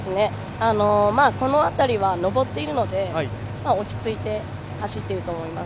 この辺りは上っているので落ち着いて走っていると思います。